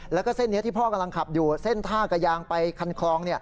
แล้วก็เส้นนี้ที่พ่อกำลังขับอยู่เส้นท่ากระยางไปคันคลอง